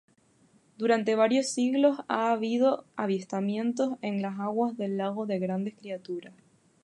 Durante varios siglos ha habido avistamientos en las aguas del lago de grandes criaturas.